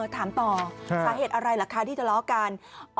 ถามต่อสาเหตุอะไรล่ะคะที่ทะเลาะกัน